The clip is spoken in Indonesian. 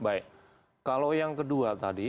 baik kalau yang kedua tadi